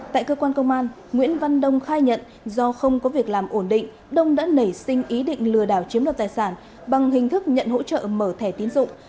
tại cơ quan công an nguyễn văn đông khai nhận do không có việc làm ổn định đông đã nảy sinh ý định lừa đảo chiếm đoạt tài sản bằng hình thức nhận hỗ trợ mở thẻ tiến dụng